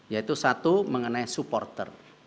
yaitu satu mengenai supporter